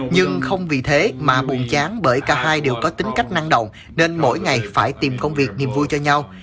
nhưng không vì thế mà buồn chán bởi cả hai đều có tính cách năng động nên mỗi ngày phải tìm công việc niềm vui cho nhau